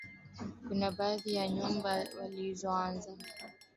kuna baadhi ya nyumbu walioanza kuondoka Maasai Mara kurejea Tanzania mwezi Agosti